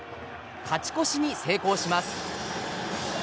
勝ち越しに成功します。